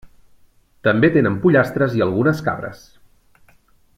També tenen pollastres i algunes cabres.